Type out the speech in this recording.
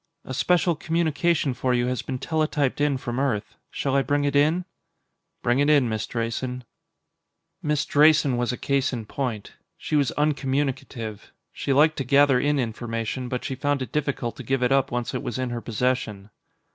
"A special communication for you has been teletyped in from Earth. Shall I bring it in?" "Bring it in, Miss Drayson." Miss Drayson was a case in point. She was uncommunicative. She liked to gather in information, but she found it difficult to give it up once it was in her possession.